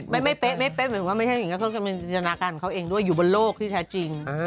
ไม่เป๊ะหมายถึงว่าไม่ใช่อย่างนี้